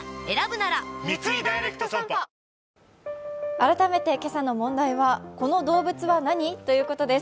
改めて今朝の問題はこの動物は何？ということです。